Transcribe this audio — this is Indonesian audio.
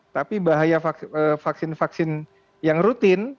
tapi bahaya vaksin vaksin yang rutin